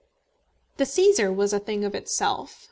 The Cæsar was a thing of itself.